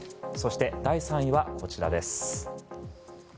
そして、第３位はこちらです。